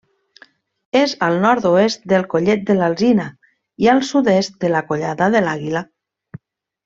És al nord-oest del Collet de l'Alzina i al sud-est de la Collada de l'Àliga.